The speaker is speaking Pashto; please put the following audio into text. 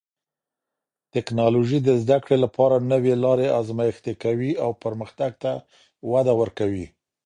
ټکنالوژي د زده کړې لپاره نوې لارې ازمېښتي کوي او پرمختګ ته وده ورکوي.